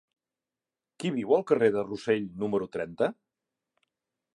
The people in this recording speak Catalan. Qui viu al carrer de Rossell número trenta?